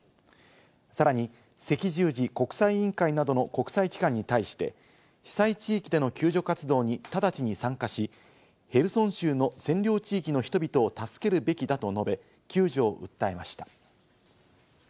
さらに赤十字国際委員会などの国際機関に対して、被災地域での救助活動に直ちに参加し、ヘルソン州の占領地域の人々を助けるべきだと述べ、救助を訴えました。